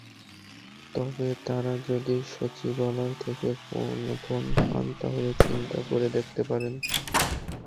তবে তঁারা যদি সচিবালয় থেকে ফোন পান, তাহলে চিন্তা করে দেখতে পারেন।